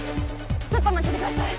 ちょっと待っててください！